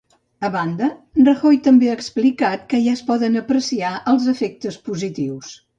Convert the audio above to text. A banda, Rajoy també ha explicat que ja es poden apreciar els efectes positius.